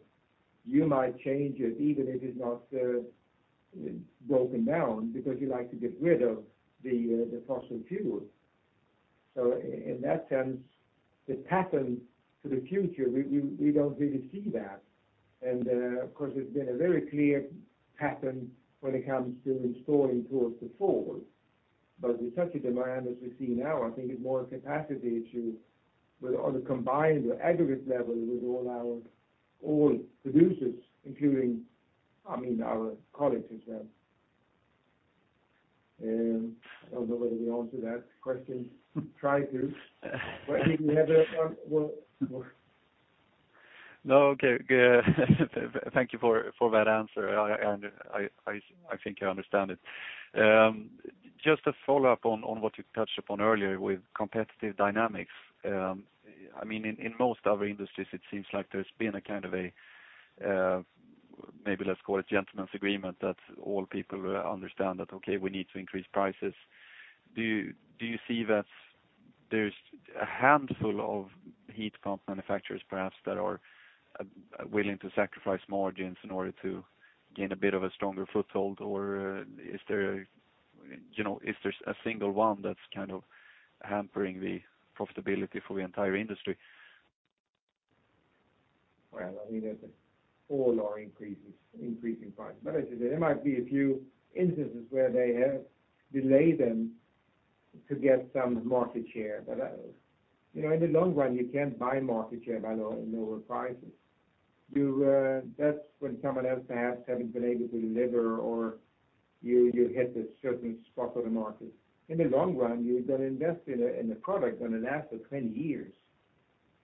S2: you might change it even if it's not broken down because you like to get rid of the fossil fuel. In that sense, the pattern to the future, we don't really see that. Of course, it's been a very clear pattern when it comes to installing towards the forefront. With such a demand as we see now, I think it's more a capacity issue with all the combined or aggregate level with all our boiler producers, including, I mean, our colleagues as well. I don't know whether we answered that question. Tried to. If you have another one, we'll-
S8: No. Okay, good. Thank you for that answer. I think I understand it. Just a follow-up on what you touched upon earlier with competitive dynamics. I mean, in most other industries, it seems like there's been a kind of a maybe let's call it gentlemen's agreement, that all people understand that, okay, we need to increase prices. Do you see that there's a handful of heat pump manufacturers, perhaps, that are willing to sacrifice margins in order to gain a bit of a stronger foothold? Or, is there a You know, is there a single one that's kind of hampering the profitability for the entire industry?
S2: Well, I mean, all are increases, increasing prices. I say there might be a few instances where they have delayed them to get some market share. You know, in the long run, you can't buy market share by lower prices. That's when someone else perhaps haven't been able to deliver or you hit a certain spot for the market. In the long run, you're gonna invest in a product gonna last for 20 years.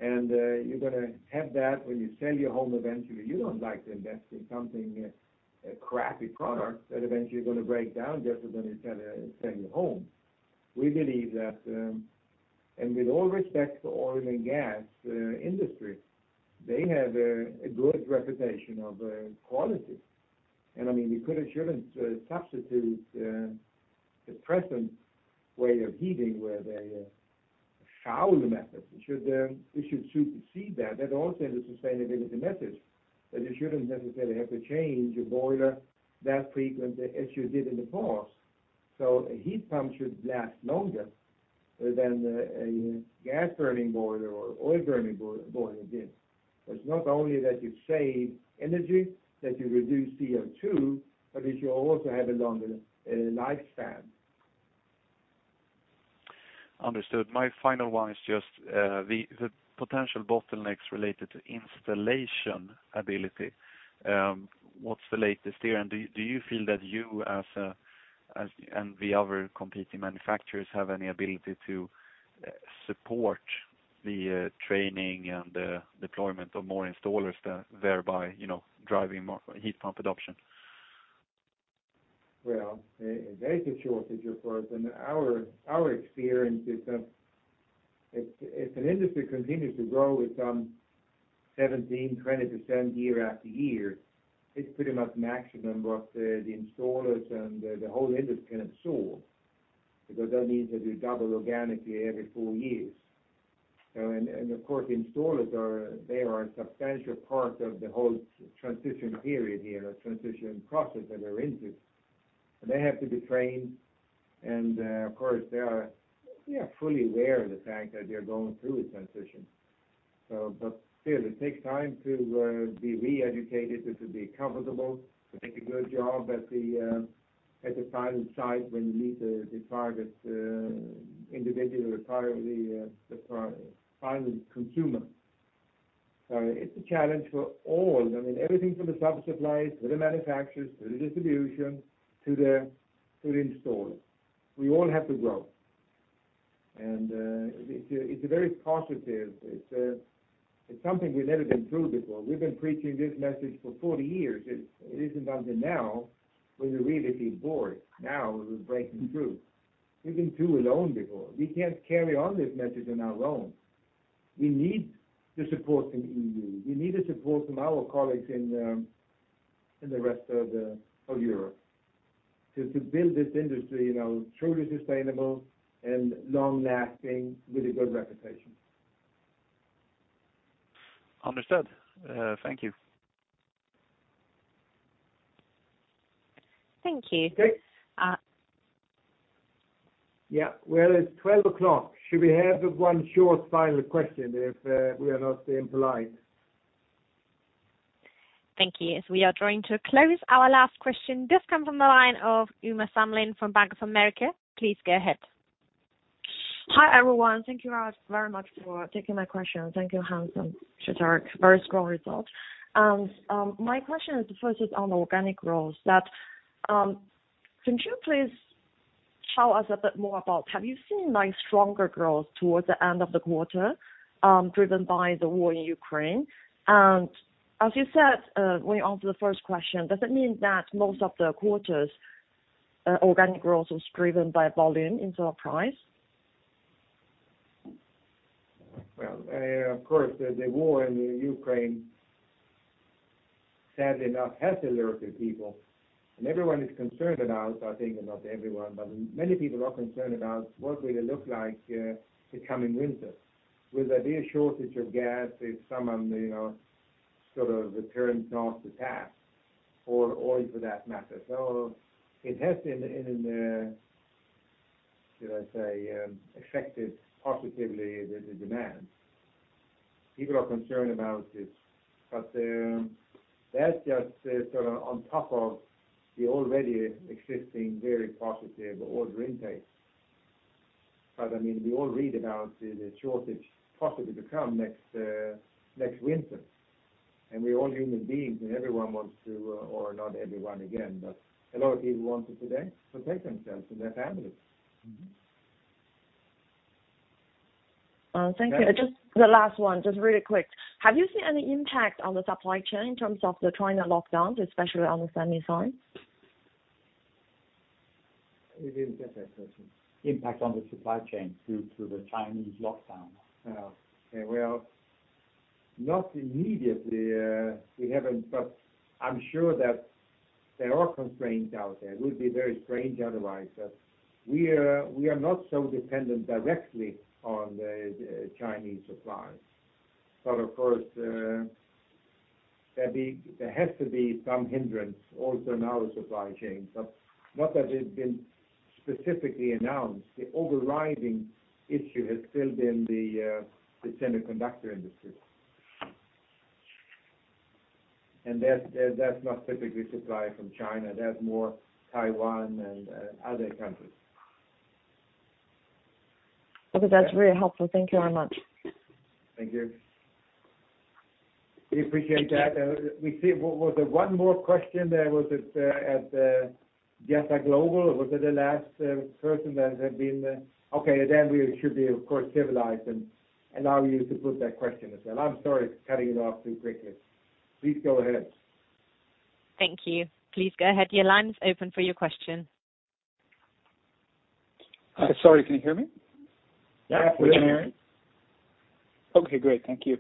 S2: You're gonna have that when you sell your home eventually. You don't like to invest in something, a crappy product that eventually you're gonna break down just when you sell your home. We believe that, and with all respect to oil and gas industry, they have a good reputation of quality. I mean, we could, or shouldn't substitute the present way of heating where they show the methods. It should supersede that. That also is a sustainability message, that you shouldn't necessarily have to change your boiler that frequently as you did in the past. A heat pump should last longer than a gas-burning boiler or oil-burning boiler did. It's not only that you save energy, that you reduce CO2, but that you also have a longer lifespan.
S8: Understood. My final one is just the potential bottlenecks related to installation ability. What's the latest there, and do you feel that you and the other competing manufacturers have any ability to support the training and deployment of more installers to thereby, you know, driving more heat pump adoption?
S2: Well, there is a shortage of course, and our experience is that if an industry continues to grow with 17%-20% year after year, it's pretty much maximum what the installers and the whole industry can absorb. Because that means that we double organically every four years. Of course, installers are a substantial part of the whole transition process that we're into. They have to be trained, and of course they are fully aware of the fact that they're going through a transition. Still, it takes time to be re-educated and to be comfortable, to make a good job at the final site when you meet the target individual, the final consumer. It's a challenge for all. I mean, everything from the sub suppliers to the manufacturers to the distribution to the installers. We all have to grow. It's a very positive. It's something we've never been through before. We've been preaching this message for 40 years. It isn't until now, when we really see boards, now we're breaking through. We've been too alone before. We can't carry on this message on our own. We need the support from EU. We need the support from our colleagues in the rest of Europe. To build this industry, you know, truly sustainable and long-lasting with a good reputation.
S8: Understood. Thank you.
S1: Thank you.
S2: Okay.
S1: Uh-
S2: Yeah. Well, it's 12:00 P.M. Should we have one short final question if we are not being polite?
S1: Thank you. As we are drawing to a close, our last question does come from the line of Uma Samlin from Bank of America. Please go ahead.
S9: Hi, everyone. Thank you all very much for taking my question. Thank you, Hans and Gerteric Lindquist. Very strong results. My question is focused on organic growth that can you please tell us a bit more about have you seen like stronger growth towards the end of the quarter driven by the war in Ukraine? As you said when you answered the first question, does it mean that most of the quarters organic growth was driven by volume instead of price?
S2: Well, of course, the war in Ukraine, sadly enough, has alerted people. Everyone is concerned about, I think not everyone, but many people are concerned about what will it look like, the coming winter. Will there be a shortage of gas if someone, you know, sort of returns north to gas or oil for that matter? It has been, should I say, affected positively the demand. People are concerned about it, but that's just sort of on top of the already existing very positive order intake. I mean, we all read about the shortage possibly to come next winter. We're all human beings, and everyone wants to, or not everyone again, but a lot of people want to protect themselves and their families.
S9: Thank you.
S2: Yeah.
S9: Just the last one, just really quick. Have you seen any impact on the supply chain in terms of the China lockdowns, especially on the semi side?
S2: We didn't get that question. Impact on the supply chain through the Chinese lockdown. Not immediately, we haven't. I'm sure that there are constraints out there. It would be very strange otherwise. We are not so dependent directly on the Chinese suppliers. Of course, there has to be some hindrance also in our supply chain, but not that has been specifically announced. The overriding issue has still been the semiconductor industry. That's not typically supplied from China. That's more Taiwan and other countries.
S9: Okay. That's very helpful. Thank you very much.
S2: Thank you. We appreciate that. We see was there one more question there? Was it at Jefferies Global? Was it the last person that had been. Okay, we should be, of course, civilized and allow you to put that question as well. I'm sorry for cutting you off too quickly. Please go ahead.
S1: Thank you. Please go ahead. Your line is open for your question.
S10: Sorry. Can you hear me?
S2: Yeah. We can hear you.
S10: Okay, great. Thank you.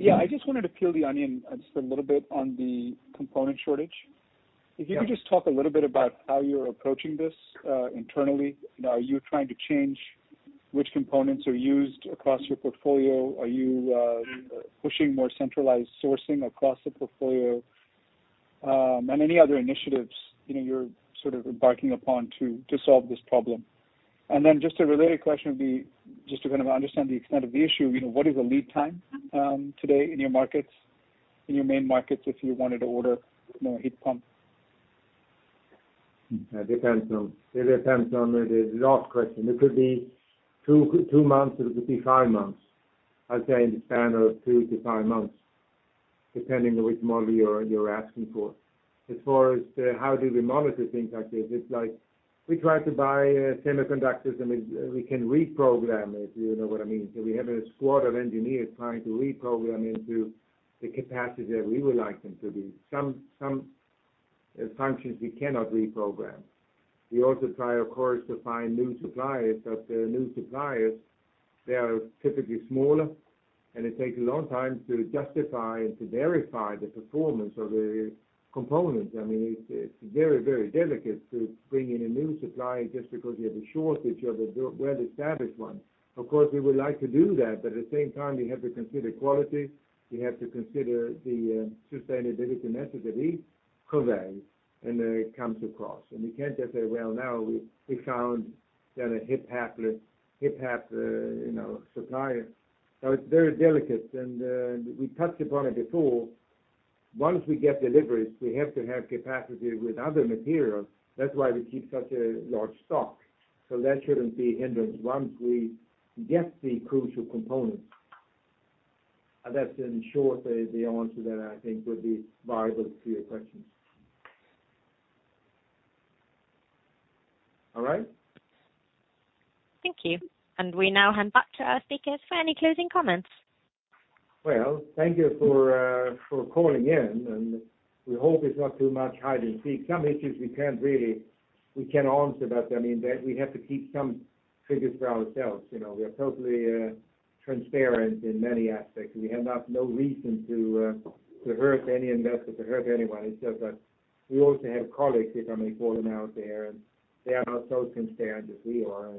S10: Yeah, I just wanted to peel the onion just a little bit on the component shortage.
S2: Yeah.
S10: If you could just talk a little bit about how you're approaching this internally. Are you trying to change which components are used across your portfolio? Are you pushing more centralized sourcing across the portfolio? And any other initiatives, you know, you're sort of embarking upon to solve this problem. Then just a related question would be, just to kind of understand the extent of the issue, you know, what is the lead time today in your markets, in your main markets if you wanted to order, you know, a heat pump?
S2: It depends on the last question. It could be two months, or it could be five months. I'd say in the span of two to five months, depending on which model you're asking for. As far as how do we monitor things like this, it's like we try to buy semiconductors, and we can reprogram, if you know what I mean. We have a squad of engineers trying to reprogram into the capacity that we would like them to be. Some functions we cannot reprogram. We also try, of course, to find new suppliers, but the new suppliers, they are typically smaller, and it takes a long time to justify and to verify the performance of the components. I mean, it's very, very delicate to bring in a new supplier just because you have a shortage of a well-established one. Of course, we would like to do that, but at the same time, we have to consider quality, we have to consider the sustainability necessary, cost, and then it comes across. We can't just say, "Well, now we found that a chip, you know, supplier." It's very delicate. We touched upon it before. Once we get deliveries, we have to have capacity with other materials. That's why we keep such a large stock. That shouldn't be a hindrance once we get the crucial components. That's, in short, the answer that I think would be viable to your questions. All right?
S1: Thank you. We now hand back to our speakers for any closing comments.
S2: Well, thank you for calling in, and we hope it's not too much hide and seek. Some issues we can't really answer, but I mean, that we have to keep some figures for ourselves, you know. We are totally transparent in many aspects. We have not no reason to hurt any investor, to hurt anyone. It's just that we also have colleagues, if I may call them out there, and they are not so transparent as we are.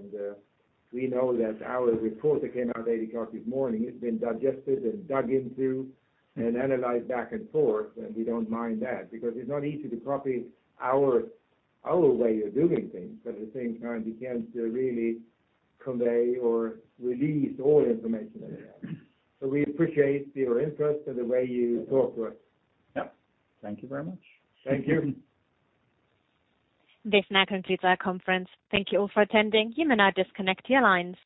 S2: We know that our report that came out 8 o'clock this morning, it's been digested and dug into and analyzed back and forth. We don't mind that because it's not easy to copy our way of doing things. But at the same time, we can't really convey or release all information that we have. We appreciate your interest and the way you talk to us.
S10: Yep. Thank you very much.
S2: Thank you.
S1: This now concludes our conference. Thank you all for attending. You may now disconnect your lines.